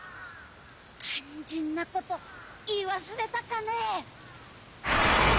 肝心なこと言い忘れたかねえ。